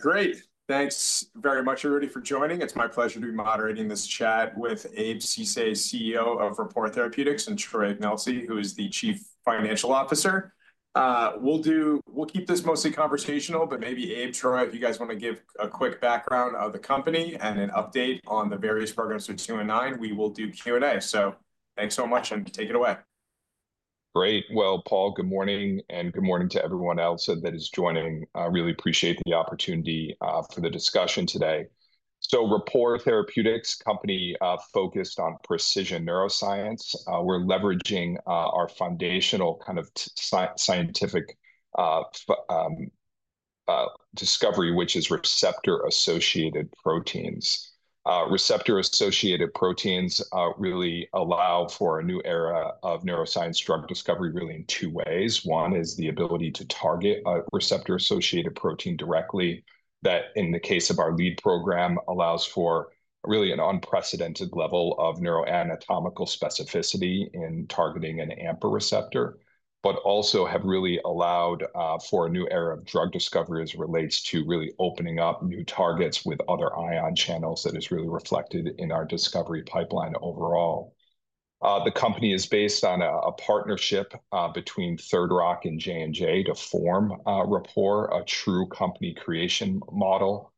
Great. Thanks very much, everybody, for joining. It's my pleasure to be moderating this chat with Abe Ceesay, CEO of Rapport Therapeutics, and Troy Ignelzi, who is the Chief Financial Officer. We'll keep this mostly conversational, but maybe Abe, Troy, if you guys want to give a quick background of the company and an update on the various programs through 2029, we will do Q&A. Thanks so much, and take it away. Great. Paul, good morning, and good morning to everyone else that is joining. I really appreciate the opportunity for the discussion today. Rapport Therapeutics, a company focused on precision neuroscience, we're leveraging our foundational kind of scientific discovery, which is receptor-associated proteins. Receptor-associated proteins really allow for a new era of neuroscience drug discovery, really in two ways. One is the ability to target a receptor-associated protein directly that, in the case of our lead program, allows for really an unprecedented level of neuroanatomical specificity in targeting an AMPA receptor, but also have really allowed for a new era of drug discovery as it relates to really opening up new targets with other ion channels that is really reflected in our discovery pipeline overall. The company is based on a partnership between Third Rock and J&J to form Rapport, a true company creation model.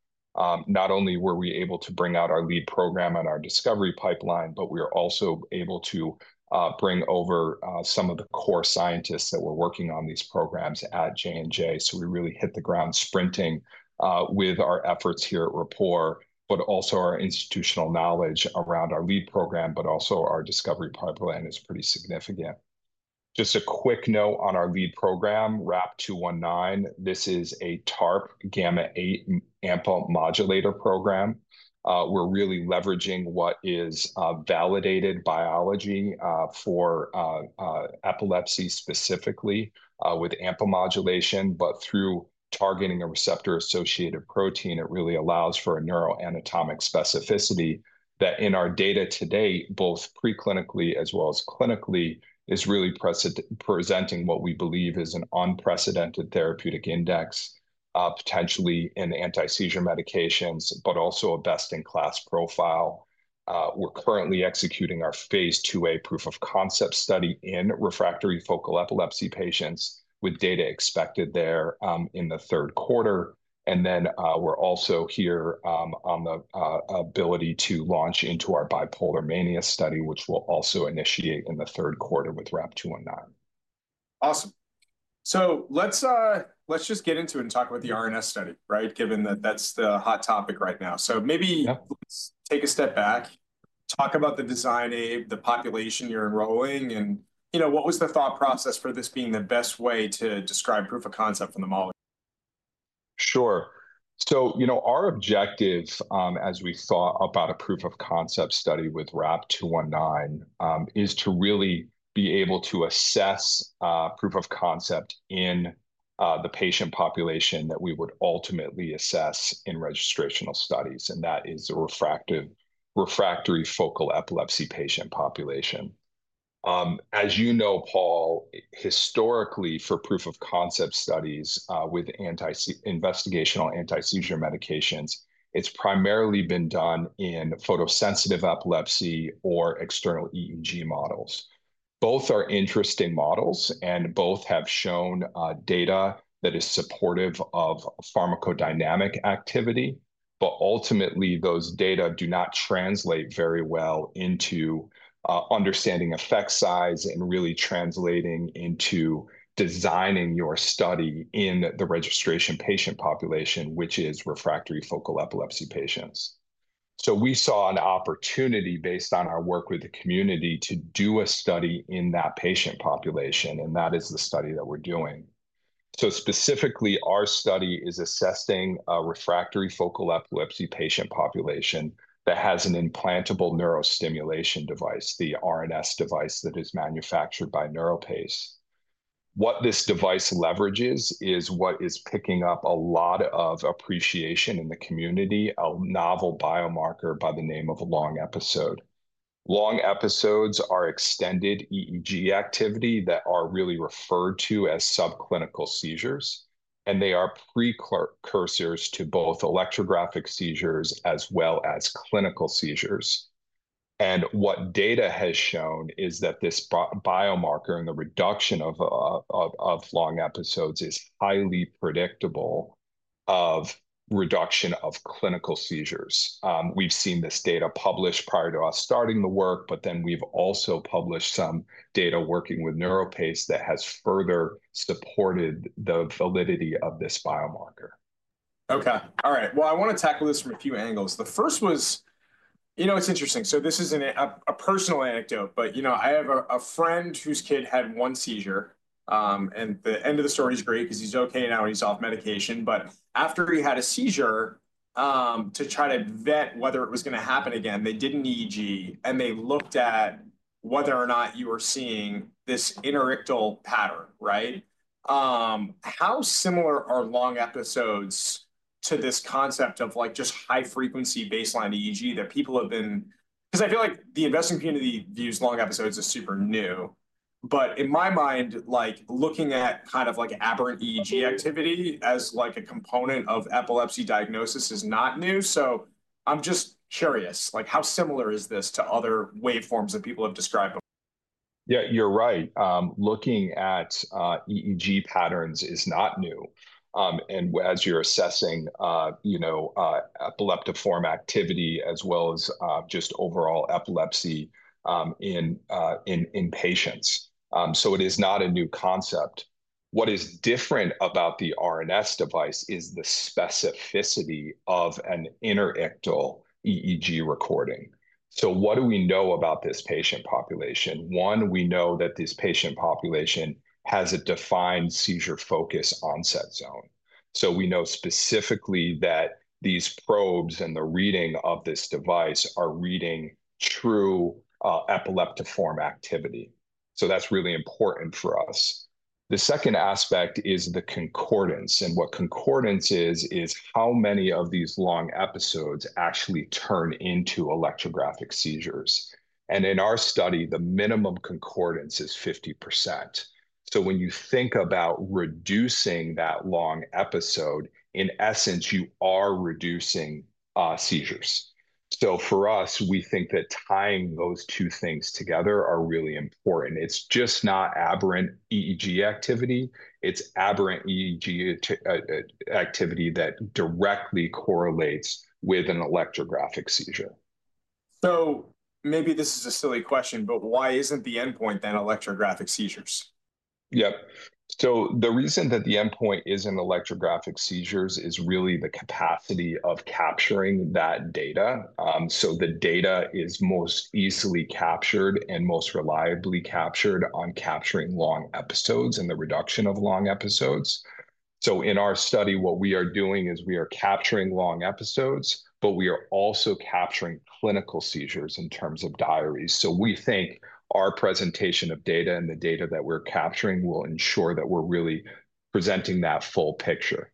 Not only were we able to bring out our lead program and our discovery pipeline, but we are also able to bring over some of the core scientists that were working on these programs at J&J. We really hit the ground sprinting with our efforts here at Rapport, but also our institutional knowledge around our lead program, but also our discovery pipeline is pretty significant. Just a quick note on our lead program, RAP-219. This is a TARP gamma-8 AMPA modulator program. We're really leveraging what is validated biology for epilepsy specifically with AMPA modulation, but through targeting a receptor-associated protein, it really allows for a neuroanatomic specificity that, in our data today, both preclinically as well as clinically, is really presenting what we believe is an unprecedented therapeutic index, potentially in anti-seizure medications, but also a best-in-class profile. We're currently executing our phase IIa proof of concept study in refractory focal epilepsy patients with data expected there in the third quarter. We're also here on the ability to launch into our bipolar mania study, which we'll also initiate in the third quarter with RAP-219. Awesome. Let's just get into it and talk about the RNS study, right, given that that's the hot topic right now. Maybe let's take a step back, talk about the design, Abe, the population you're enrolling, and what was the thought process for this being the best way to describe proof of concept from the model? Sure. Our objective, as we thought about a proof of concept study with RAP-219, is to really be able to assess proof of concept in the patient population that we would ultimately assess in registrational studies, and that is the refractory focal epilepsy patient population. As you know, Paul, historically, for proof of concept studies with investigational anti-seizure medications, it's primarily been done in photosensitive epilepsy or external EEG models. Both are interesting models, and both have shown data that is supportive of pharmacodynamic activity, but ultimately, those data do not translate very well into understanding effect size and really translating into designing your study in the registration patient population, which is refractory focal epilepsy patients. We saw an opportunity based on our work with the community to do a study in that patient population, and that is the study that we're doing. Specifically, our study is assessing a refractory focal epilepsy patient population that has an implantable neurostimulation device, the RNS device that is manufactured by NeuroPace. What this device leverages is what is picking up a lot of appreciation in the community, a novel biomarker by the name of long episode. Long episodes are extended EEG activity that are really referred to as subclinical seizures, and they are precursors to both electrographic seizures as well as clinical seizures. What data has shown is that this biomarker and the reduction of long episodes is highly predictable of reduction of clinical seizures. We've seen this data published prior to us starting the work, but then we've also published some data working with NeuroPace that has further supported the validity of this biomarker. Okay. All right. I want to tackle this from a few angles. The first was, you know, it's interesting. This is a personal anecdote, but you know, I have a friend whose kid had one seizure, and the end of the story is great because he's okay now and he's off medication. After he had a seizure, to try to vet whether it was going to happen again, they did an EEG, and they looked at whether or not you were seeing this interictal pattern, right? How similar are long episodes to this concept of just high-frequency baseline EEG that people have been? I feel like the investing community views long episodes as super new, but in my mind, looking at kind of aberrant EEG activity as a component of epilepsy diagnosis is not new. I'm just curious, how similar is this to other waveforms that people have described? Yeah, you're right. Looking at EEG patterns is not new. As you're assessing epileptiform activity as well as just overall epilepsy in patients, it is not a new concept. What is different about the RNS device is the specificity of an interictal EEG recording. What do we know about this patient population? One, we know that this patient population has a defined seizure-focus onset zone. We know specifically that these probes and the reading of this device are reading true epileptiform activity. That is really important for us. The second aspect is the concordance, and what concordance is, is how many of these long episodes actually turn into electrographic seizures. In our study, the minimum concordance is 50%. When you think about reducing that long episode, in essence, you are reducing seizures. For us, we think that tying those two things together are really important. It's just not aberrant EEG activity. It's aberrant EEG activity that directly correlates with an electrographic seizure. Maybe this is a silly question, but why isn't the endpoint then electrographic seizures? Yep. The reason that the endpoint isn't electrographic seizures is really the capacity of capturing that data. The data is most easily captured and most reliably captured on capturing long episodes and the reduction of long episodes. In our study, what we are doing is we are capturing long episodes, but we are also capturing clinical seizures in terms of diaries. We think our presentation of data and the data that we're capturing will ensure that we're really presenting that full picture.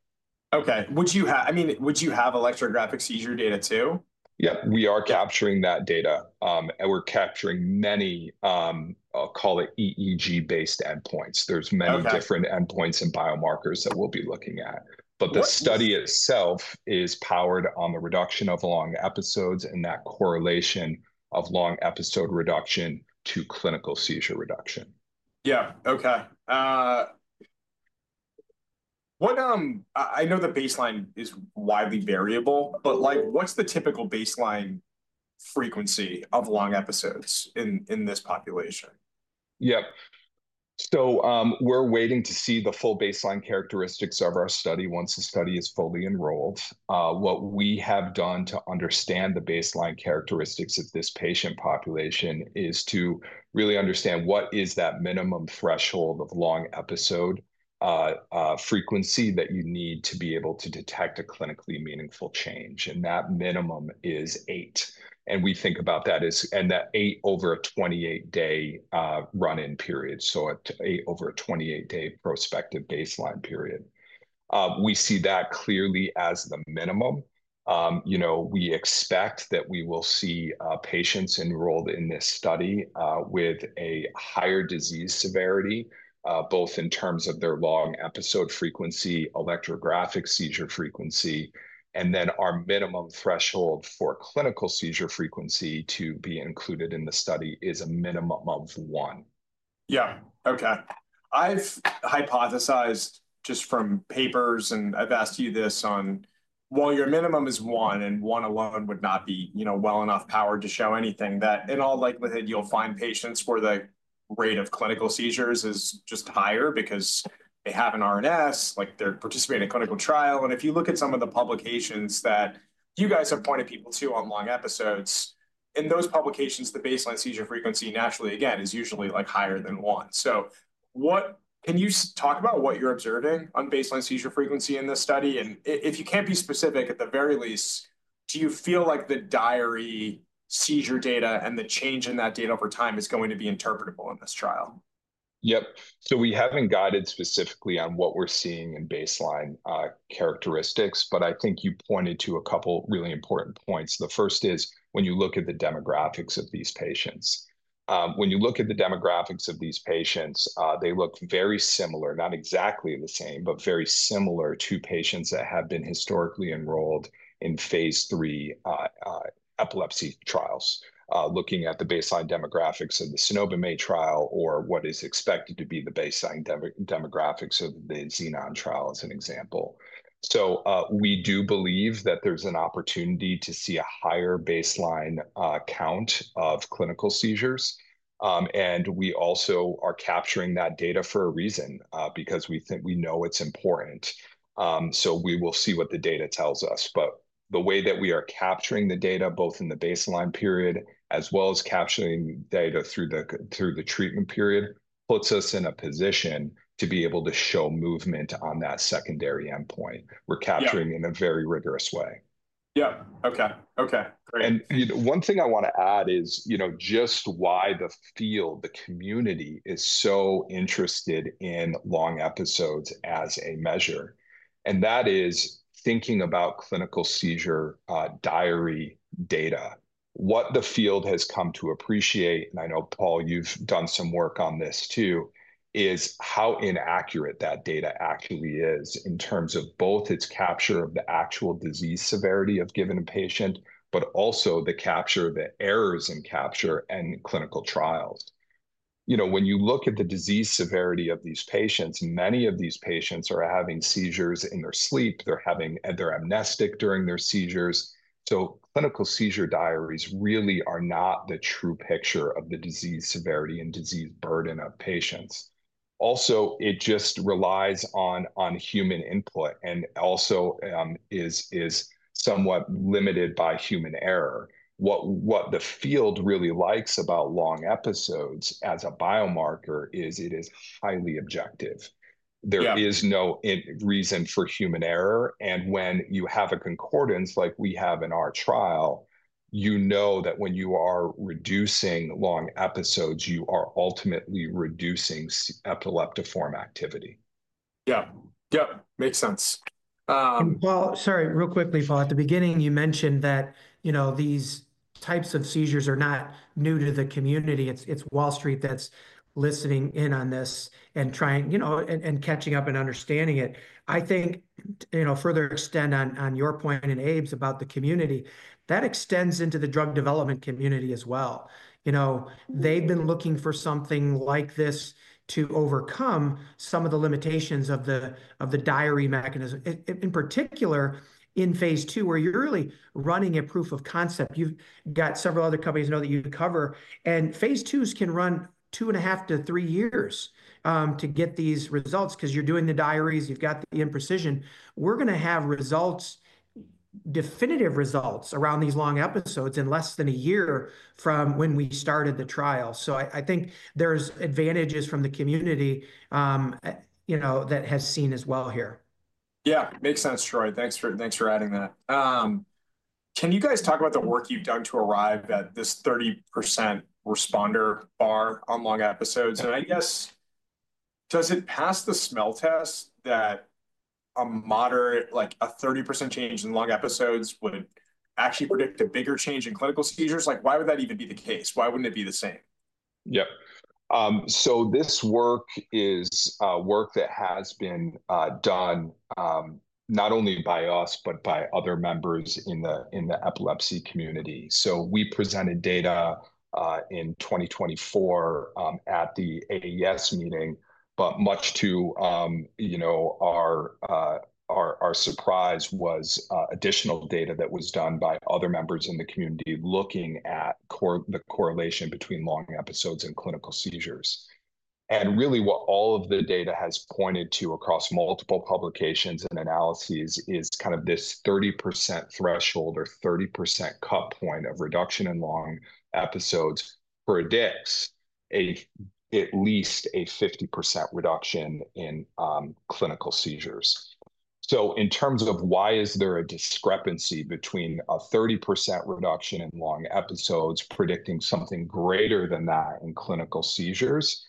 Okay. I mean, would you have electrographic seizure data too? Yep. We are capturing that data, and we're capturing many, I'll call it EEG-based endpoints. There are many different endpoints and biomarkers that we'll be looking at. The study itself is powered on the reduction of long episodes and that correlation of long episode reduction to clinical seizure reduction. Yeah. Okay. I know the baseline is widely variable, but what's the typical baseline frequency of long episodes in this population? Yep. We're waiting to see the full baseline characteristics of our study once the study is fully enrolled. What we have done to understand the baseline characteristics of this patient population is to really understand what is that minimum threshold of long episode frequency that you need to be able to detect a clinically meaningful change. That minimum is eight. We think about that as an eight over a 28-day run-in period, so an eight over a 28-day prospective baseline period. We see that clearly as the minimum. We expect that we will see patients enrolled in this study with a higher disease severity, both in terms of their long episode frequency, electrographic seizure frequency, and then our minimum threshold for clinical seizure frequency to be included in the study is a minimum of one. Yeah. Okay. I've hypothesized just from papers, and I've asked you this on, well, your minimum is one, and one alone would not be well enough powered to show anything that in all likelihood, you'll find patients where the rate of clinical seizures is just higher because they have an RNS, they're participating in a clinical trial. If you look at some of the publications that you guys have pointed people to on long episodes, in those publications, the baseline seizure frequency naturally, again, is usually higher than one. Can you talk about what you're observing on baseline seizure frequency in this study? If you can't be specific, at the very least, do you feel like the diary seizure data and the change in that data over time is going to be interpretable in this trial? Yep. We haven't guided specifically on what we're seeing in baseline characteristics, but I think you pointed to a couple of really important points. The first is when you look at the demographics of these patients. When you look at the demographics of these patients, they look very similar, not exactly the same, but very similar to patients that have been historically enrolled in phase III epilepsy trials, looking at the baseline demographics of the cenobamate trial or what is expected to be the baseline demographics of the Xenon trial as an example. We do believe that there's an opportunity to see a higher baseline count of clinical seizures. We also are capturing that data for a reason because we know it's important. We will see what the data tells us. The way that we are capturing the data, both in the baseline period as well as capturing data through the treatment period, puts us in a position to be able to show movement on that secondary endpoint. We're capturing in a very rigorous way. Yeah. Okay. Okay. Great. One thing I want to add is just why the field, the community, is so interested in long episodes as a measure. That is thinking about clinical seizure diary data. What the field has come to appreciate, and I know, Paul, you've done some work on this too, is how inaccurate that data actually is in terms of both its capture of the actual disease severity of a given patient, but also the capture of the errors in capture and clinical trials. When you look at the disease severity of these patients, many of these patients are having seizures in their sleep. They're amnestic during their seizures. Clinical seizure diaries really are not the true picture of the disease severity and disease burden of patients. Also, it just relies on human input and also is somewhat limited by human error. What the field really likes about long episodes as a biomarker is it is highly objective. There is no reason for human error. When you have a concordance like we have in our trial, you know that when you are reducing long episodes, you are ultimately reducing epileptiform activity. Yeah. Yep. Makes sense. Paul, sorry, real quickly, Paul, at the beginning, you mentioned that these types of seizures are not new to the community. It's Wall Street that's listening in on this and catching up and understanding it. I think, further extend on your point and Abe's about the community, that extends into the drug development community as well. They've been looking for something like this to overcome some of the limitations of the diary mechanism, in particular in phase II, where you're really running a proof of concept. You've got several other companies that you cover. And phase IIs can run two and a half to three years to get these results because you're doing the diaries. You've got the imprecision. We're going to have definitive results around these long episodes in less than a year from when we started the trial. I think there's advantages from the community that has seen as well here. Yeah. Makes sense, Troy. Thanks for adding that. Can you guys talk about the work you've done to arrive at this 30% responder bar on long episodes? I guess, does it pass the smell test that a 30% change in long episodes would actually predict a bigger change in clinical seizures? Why would that even be the case? Why wouldn't it be the same? Yep. This work is work that has been done not only by us, but by other members in the epilepsy community. We presented data in 2024 at the AES meeting, but much to our surprise was additional data that was done by other members in the community looking at the correlation between long episodes and clinical seizures. Really, what all of the data has pointed to across multiple publications and analyses is kind of this 30% threshold or 30% cut point of reduction in long episodes predicts at least a 50% reduction in clinical seizures. In terms of why there is a discrepancy between a 30% reduction in long episodes predicting something greater than that in clinical seizures,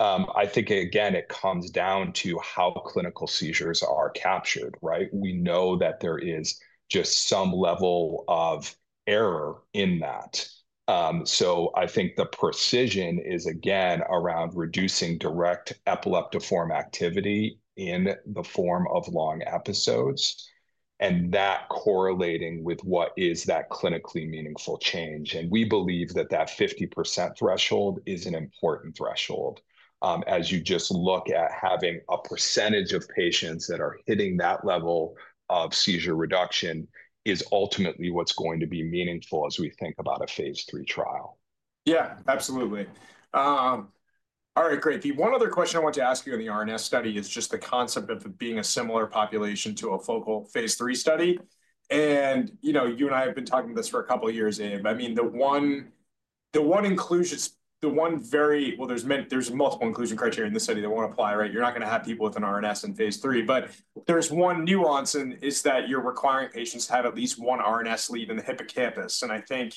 I think, again, it comes down to how clinical seizures are captured, right? We know that there is just some level of error in that. I think the precision is, again, around reducing direct epileptiform activity in the form of long episodes and that correlating with what is that clinically meaningful change. We believe that that 50% threshold is an important threshold. As you just look at having a percentage of patients that are hitting that level of seizure reduction is ultimately what's going to be meaningful as we think about a phase III trial. Yeah, absolutely. All right, great. The one other question I want to ask you in the RNS study is just the concept of it being a similar population to a focal phase III study. You and I have been talking about this for a couple of years, Abe. I mean, the one inclusion, the one very well, there's multiple inclusion criteria in this study that won't apply, right? You're not going to have people with an RNS in phase III. There's one nuance, and it's that you're requiring patients to have at least one RNS lead in the hippocampus. I think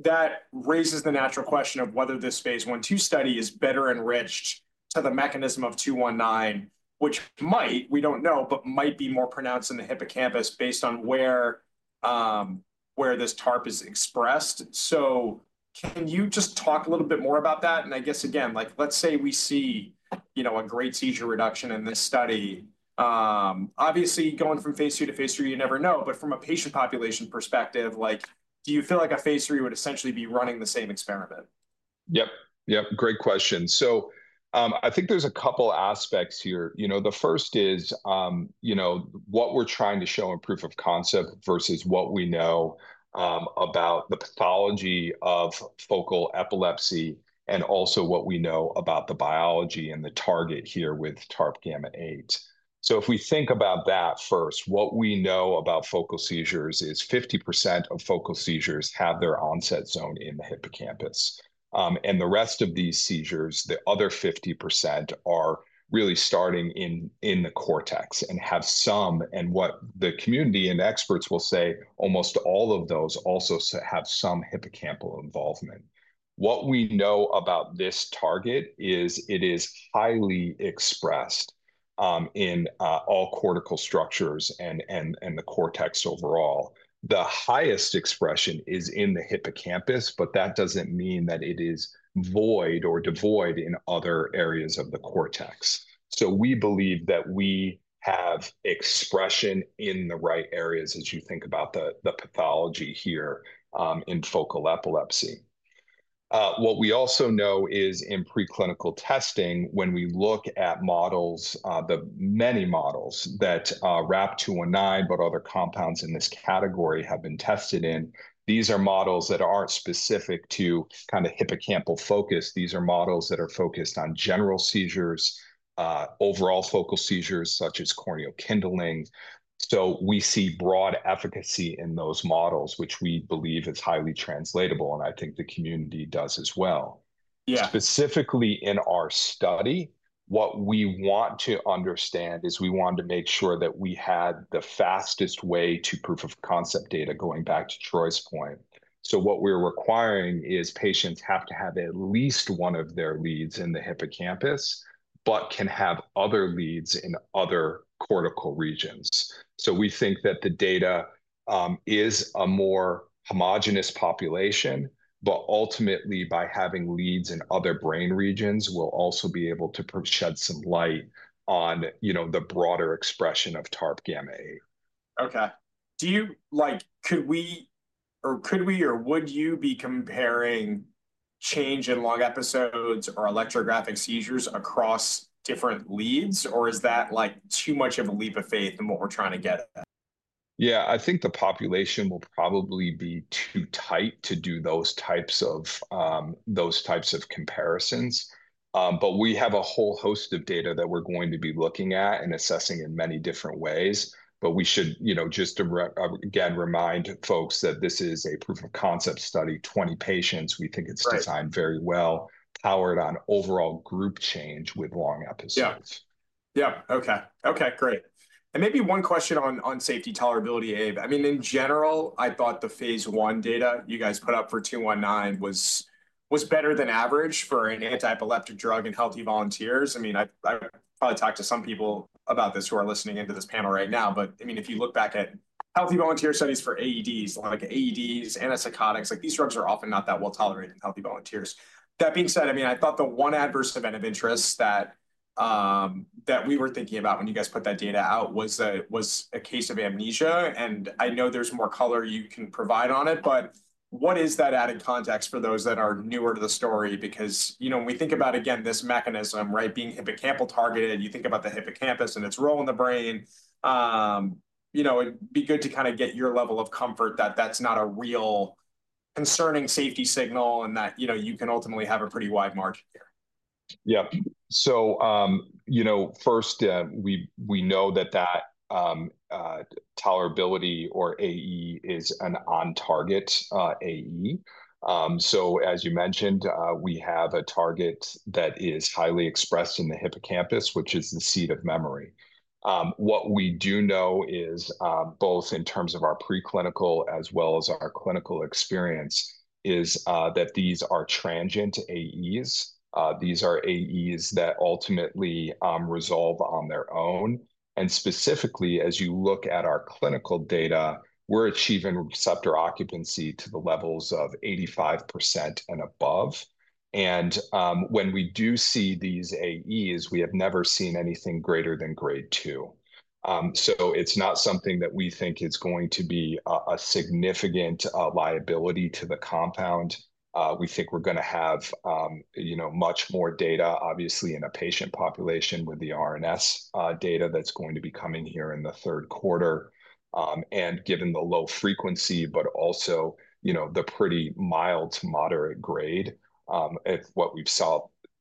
that raises the natural question of whether this phase I/II study is better enriched to the mechanism of RAP-219, which might, we don't know, but might be more pronounced in the hippocampus based on where this TARP is expressed. Can you just talk a little bit more about that? I guess, again, let's say we see a great seizure reduction in this study. Obviously, going from phase II to phase III, you never know. From a patient population perspective, do you feel like a phase III would essentially be running the same experiment? Yep. Yep. Great question. I think there's a couple of aspects here. The first is what we're trying to show in proof of concept versus what we know about the pathology of focal epilepsy and also what we know about the biology and the target here with TARP gamma-8. If we think about that first, what we know about focal seizures is 50% of focal seizures have their onset zone in the hippocampus. The rest of these seizures, the other 50%, are really starting in the cortex and have some, and what the community and experts will say, almost all of those also have some hippocampal involvement. What we know about this target is it is highly expressed in all cortical structures and the cortex overall. The highest expression is in the hippocampus, but that doesn't mean that it is void or devoid in other areas of the cortex. We believe that we have expression in the right areas as you think about the pathology here in focal epilepsy. What we also know is in preclinical testing, when we look at models, the many models that RAP-219, but other compounds in this category have been tested in, these are models that aren't specific to kind of hippocampal focus. These are models that are focused on general seizures, overall focal seizures such as corneal kindling. We see broad efficacy in those models, which we believe is highly translatable, and I think the community does as well. Specifically in our study, what we want to understand is we want to make sure that we had the fastest way to proof of concept data going back to Troy's point. What we're requiring is patients have to have at least one of their leads in the hippocampus, but can have other leads in other cortical regions. We think that the data is a more homogenous population, but ultimately, by having leads in other brain regions, we'll also be able to shed some light on the broader expression of TARP gamma-8. Okay. Could we or would you be comparing change in long episodes or electrographic seizures across different leads, or is that too much of a leap of faith than what we're trying to get at? Yeah, I think the population will probably be too tight to do those types of comparisons. We have a whole host of data that we're going to be looking at and assessing in many different ways. We should just again remind folks that this is a proof of concept study, 20 patients. We think it's designed very well, powered on overall group change with long episodes. Yeah. Yeah. Okay. Okay. Great. Maybe one question on safety tolerability, Abe. I mean, in general, I thought the phase I data you guys put up for 219 was better than average for an anti-epileptic drug in healthy volunteers. I mean, I probably talked to some people about this who are listening into this panel right now. I mean, if you look back at healthy volunteer studies for AEDs, like AEDs, antipsychotics, these drugs are often not that well tolerated in healthy volunteers. That being said, I thought the one adverse event of interest that we were thinking about when you guys put that data out was a case of amnesia. I know there's more color you can provide on it, but what is that added context for those that are newer to the story? Because when we think about, again, this mechanism, right, being hippocampal targeted, you think about the hippocampus and its role in the brain. It'd be good to kind of get your level of comfort that that's not a real concerning safety signal and that you can ultimately have a pretty wide margin here. Yep. First, we know that tolerability or AE is an on-target AE. As you mentioned, we have a target that is highly expressed in the hippocampus, which is the seat of memory. What we do know is both in terms of our preclinical as well as our clinical experience is that these are transient AEs. These are AEs that ultimately resolve on their own. Specifically, as you look at our clinical data, we're achieving receptor occupancy to the levels of 85% and above. When we do see these AEs, we have never seen anything greater than Grade 2. It is not something that we think is going to be a significant liability to the compound. We think we're going to have much more data, obviously, in a patient population with the RNS data that is going to be coming here in the third quarter. Given the low frequency, but also the pretty mild to moderate grade, what we've saw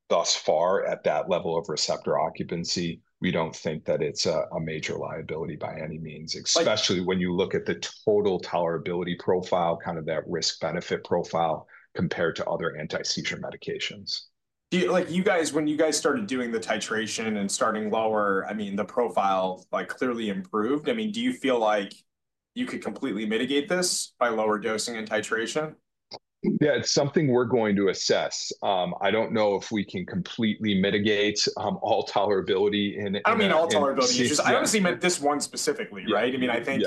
thus far at that level of receptor occupancy, we don't think that it's a major liability by any means, especially when you look at the total tolerability profile, kind of that risk-benefit profile compared to other anti-seizure medications. When you guys started doing the titration and starting lower, I mean, the profile clearly improved. I mean, do you feel like you could completely mitigate this by lower dosing and titration? Yeah, it's something we're going to assess. I don't know if we can completely mitigate all tolerability in any way. I mean, all tolerability issues. I honestly meant this one specifically, right? I mean, I think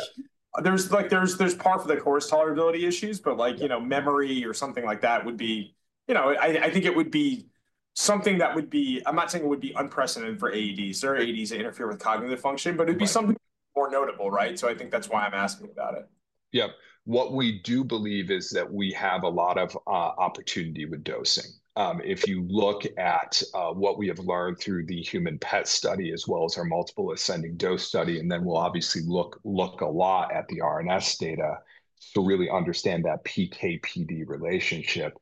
there's par for the course tolerability issues, but memory or something like that would be, I think it would be something that would be, I'm not saying it would be unprecedented for AEDs or AEDs that interfere with cognitive function, but it'd be something more notable, right? I think that's why I'm asking about it. Yep. What we do believe is that we have a lot of opportunity with dosing. If you look at what we have learned through the human PET study as well as our multiple ascending dose study, we will obviously look a lot at the RNS data to really understand that PK-PD relationship.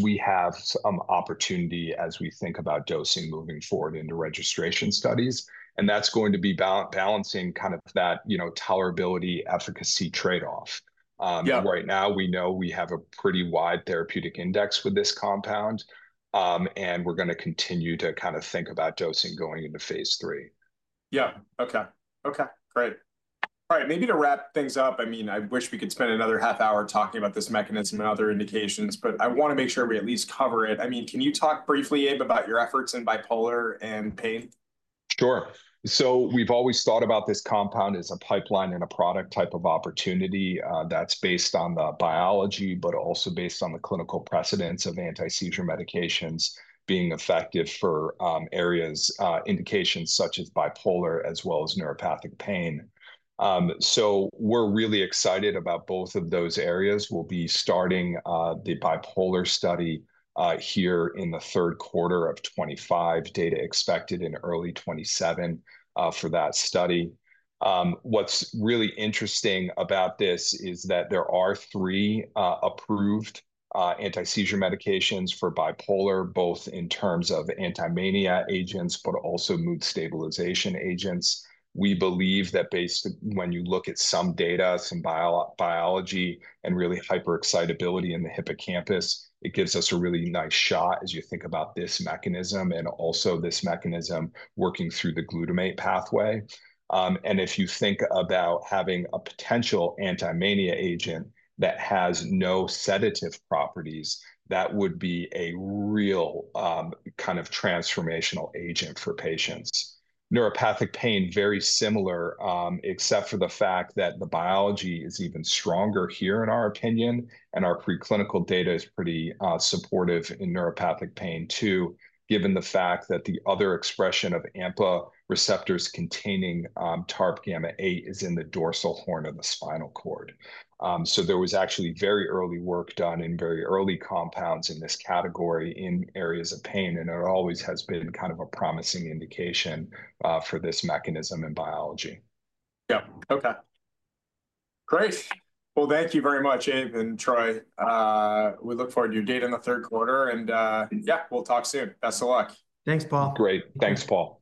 We have some opportunity as we think about dosing moving forward into registration studies. That is going to be balancing kind of that tolerability-efficacy trade-off. Right now, we know we have a pretty wide therapeutic index with this compound, and we are going to continue to kind of think about dosing going into phase III. Yeah. Okay. Okay. Great. All right. Maybe to wrap things up, I mean, I wish we could spend another half hour talking about this mechanism and other indications, but I want to make sure we at least cover it. I mean, can you talk briefly, Abe, about your efforts in bipolar and pain? Sure. We have always thought about this compound as a pipeline and a product type of opportunity that is based on the biology, but also based on the clinical precedence of anti-seizure medications being effective for indications such as bipolar as well as neuropathic pain. We are really excited about both of those areas. We will be starting the bipolar study here in the third quarter of 2025. Data expected in early 2027 for that study. What is really interesting about this is that there are three approved anti-seizure medications for bipolar, both in terms of anti-mania agents, but also mood stabilization agents. We believe that based when you look at some data, some biology, and really hyperexcitability in the hippocampus, it gives us a really nice shot as you think about this mechanism and also this mechanism working through the glutamate pathway. If you think about having a potential anti-mania agent that has no sedative properties, that would be a real kind of transformational agent for patients. Neuropathic pain, very similar, except for the fact that the biology is even stronger here, in our opinion, and our preclinical data is pretty supportive in neuropathic pain too, given the fact that the other expression of AMPA receptors containing TARP gamma-8 is in the dorsal horn of the spinal cord. There was actually very early work done in very early compounds in this category in areas of pain, and it always has been kind of a promising indication for this mechanism in biology. Okay. Great. Thank you very much, Abe and Troy. We look forward to your data in the third quarter. Yeah, we'll talk soon. Best of luck. Thanks, Paul. Great. Thanks, Paul.